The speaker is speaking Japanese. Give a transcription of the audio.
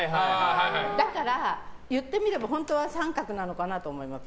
だから言ってみれば、本当は△なのかなと思います。